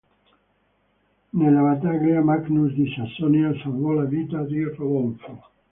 Nella battaglia, Magnus di Sasonia salvò la vita di Rodolfo.